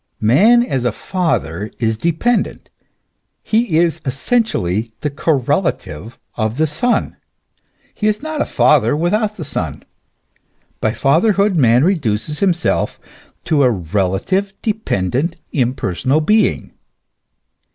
Man as a father is dependent, he is essentially the correlative of the son ; he is not a father without the son ; by fatherhood man reduces himself to a relative, dependent, impersonal being.